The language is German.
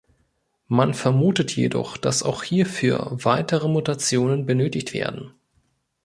Man vermutet jedoch, dass auch hierfür weitere Mutationen benötigt werden.